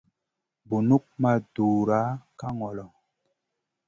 Bunuk ma dura ka ŋolo.